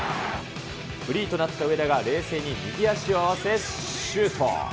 フリーとなった上田が冷静に右足を合わせシュート。